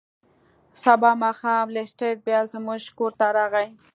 سبا ماښام لیسټرډ بیا زموږ کور ته راغی.